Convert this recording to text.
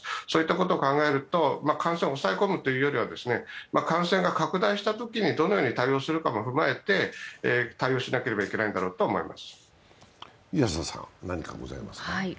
そういったことを考えると、感染を抑え込むというよりは感染が拡大したときにどのように対応するかも踏まえて対応しなければいけないんだろうと思います。